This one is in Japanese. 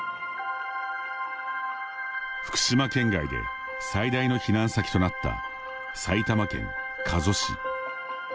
福島県外で最大の避難先となった埼玉県加須市。